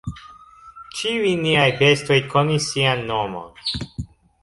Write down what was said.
Ĉiuj niaj bestoj konis sian nomon.